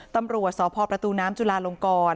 ตำรวจสพประตูน้ำจุลาลงกร